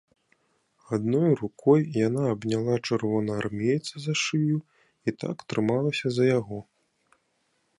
Адной рукой яна абняла чырвонаармейца за шыю і так трымалася за яго.